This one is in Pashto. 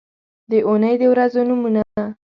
د اونۍ د ورځو نومونه